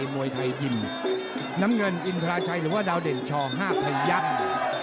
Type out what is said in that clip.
มวยไทยยิมน้ำเงินอินทราชัยหรือว่าดาวเด่นช๕พยักษ์